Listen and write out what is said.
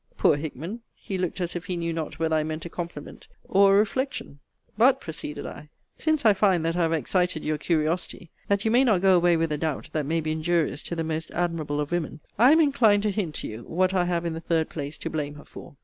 (Poor Hickman! he looked as if he knew not whether I meant a compliment or a reflection!) But, proceeded I, since I find that I have excited your curiosity, that you may not go away with a doubt that may be injurious to the most admirable of women, I am enclined to hint to you what I have in the third place to blame her for.